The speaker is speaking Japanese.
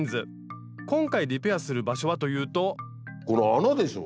今回リペアする場所はというとこの穴でしょ。